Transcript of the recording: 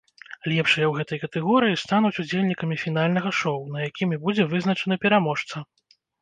Лепшыя ў гэтай катэгорыі стануць удзельнікамі фінальнага шоу, на якім і будзе вызначаны пераможца.